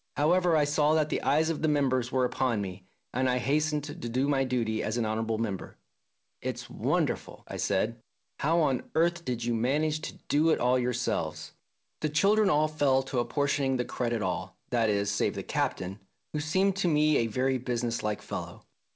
However, I saw that the eyes of the members were upon me, and I hastened to do my duty as an honourable member. "It's wonder ful," I said. " How on earth did you manage to do it all yourselves?'' 158 THE DAY BEFORE YESTERDAY The children all fell to apportioning the credit all, that is, save the Captain, who seemed to me a very businesslike fellow.